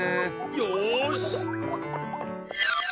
よし！